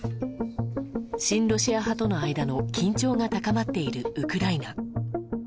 親ロシア派との間の緊張が高まっているウクライナ。